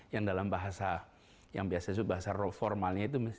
yang dalam bahasa yang biasa disebut bahasa formalnya itu